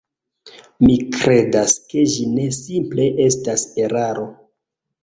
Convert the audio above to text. Mi kredas, ke ĝi ne simple estas eraro.